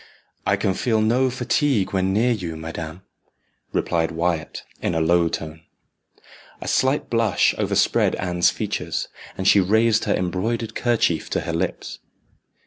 "I can feel no fatigue when near you, madam," replied Wyat, in a low tone. A slight blush overspread Anne's features, and she raised her embroidered kerchief to her lips.